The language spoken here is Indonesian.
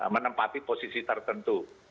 menempati posisi tertentu